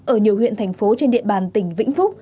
ở nhiều huyện thành phố trên địa bàn tỉnh vĩnh phúc